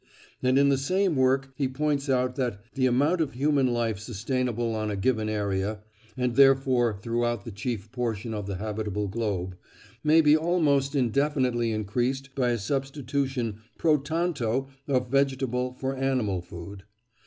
" And in the same work he points out that "the amount of human life sustainable on a given area, and therefore throughout the chief portion of the habitable globe, may be almost indefinitely increased by a substitution pro tanto of vegetable for animal food....